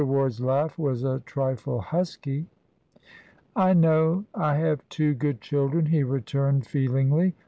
Ward's laugh was a trifle husky. "I know I have two good children," he returned, feelingly.